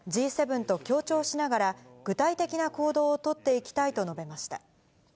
Ｇ７と協調しながら、具体的な行動を取っていきたいと述べました。